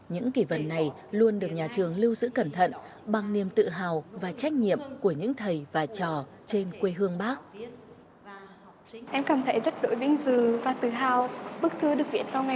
những kỷ vật này luôn được nhà trường lưu giữ cẩn thận bằng niềm tự hào và trách nhiệm của những thầy và trò trên quê hương bác